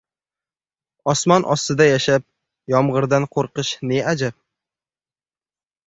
• Osmon ostida yashab, yomg‘irdan qo‘rqish ne ajab?